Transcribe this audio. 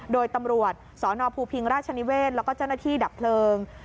โดยตำรวจสนภูพิงราชนิเวศแล้วก็เจ้าหน้าที่ดับเพลิง